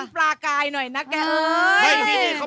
เป่าเถอะ